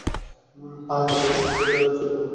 হাহ, বেশ অদ্ভুত ছিলো ব্যাপারটা।